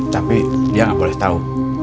tapi dia nggak boleh tahu